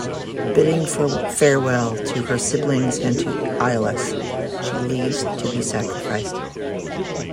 Bidding farewell to her siblings and to Iolaus, she leaves to be sacrificed.